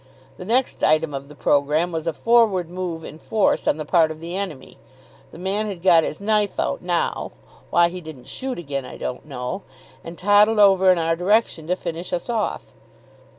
The next item of the programme was a forward move in force on the part of the enemy. The man had got his knife out now why he didn't shoot again I don't know and toddled over in our direction to finish us off.